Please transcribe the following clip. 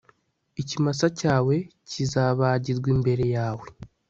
ikimasa cyawe kizabagirwa imbere yawe